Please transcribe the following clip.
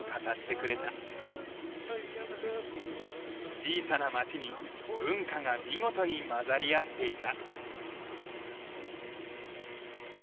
小さな町に文化が見事に混ざり合っていた。